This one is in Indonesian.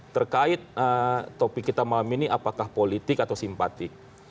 terkait topik kita malam ini apakah politik atau simpatik